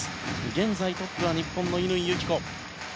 現在トップは日本の乾友紀子。